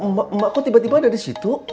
mak emak kok tiba tiba ada di situ